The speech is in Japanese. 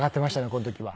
この時は。